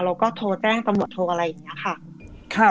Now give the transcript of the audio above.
เราก็โทรแจ้งตำรวจโทรอะไรอย่างนี้ค่ะ